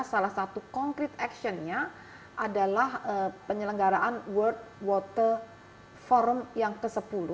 salah satu concrete actionnya adalah penyelenggaraan world water forum yang ke sepuluh